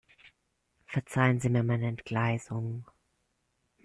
Verzeihen Sie mir meine Entgleisung.